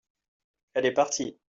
elle est partie.